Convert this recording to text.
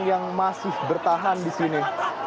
yang masih bertahan di sini